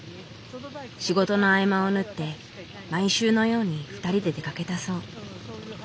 仕事の合間を縫って毎週のように２人で出かけたそう。